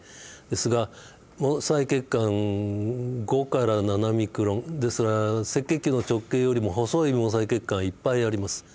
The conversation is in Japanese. ですが毛細血管５から７ミクロンですから赤血球の直径よりも細い毛細血管いっぱいあります。